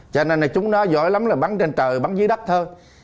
cho nên là chúng nó giỏi lắm là bắn trên tờ bắn dưới đất thôi